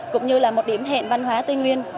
cũng như là một điểm hẹn văn hóa tây nguyên